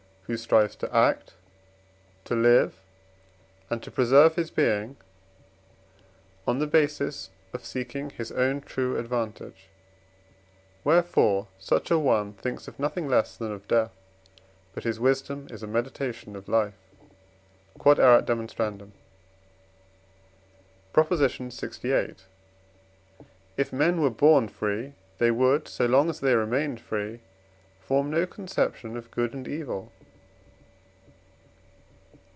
who strives to act, to live, and to preserve his being on the basis of seeking his own true advantage; wherefore such an one thinks of nothing less than of death, but his wisdom is a meditation of life. Q.E.D. PROP. LXVIII. If men were born free, they would, so long as they remained free, form no conception of good and evil.